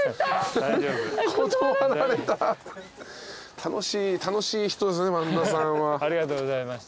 楽しい人ですね萬田さんは。ありがとうございました。